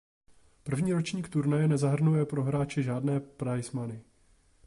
První ročník turnaje nezahrnuje pro hráče žádné prize money.